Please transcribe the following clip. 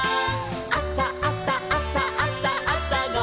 「あさあさあさあさあさごはん」